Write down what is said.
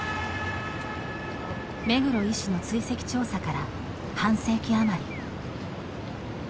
目黒医師の追跡調査から半世紀あまり。